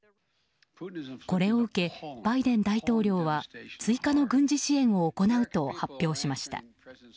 これを受け、バイデン大統領は追加の軍事支援を行うと発表しました。